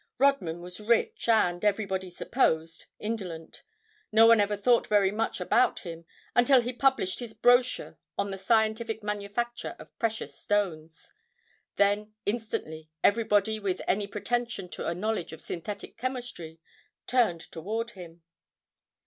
Rodman was rich and, everybody supposed, indolent; no one ever thought very much about him until he published his brochure on the scientific manufacture of precious stones. Then instantly everybody with any pretension to a knowledge of synthetic chemistry turned toward him.